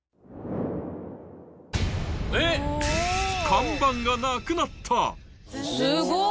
看板がなくなったすごい。